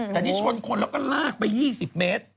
แต่นี่ชนคนแล้วก็ลากไป๒๐เมตร